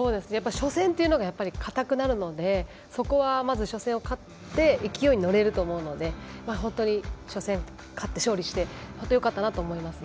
初戦というのが硬くなるのでそこは、まず初戦を勝って勢いに乗れると思うので本当に初戦、勝利して本当よかったなと思います。